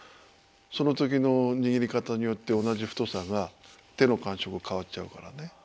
その時の握り方によって同じ太さが手の感触が変わっちゃうからね。